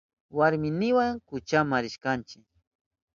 Warminiwa kuchama rishkanchi.